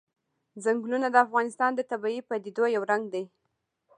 ځنګلونه د افغانستان د طبیعي پدیدو یو رنګ دی.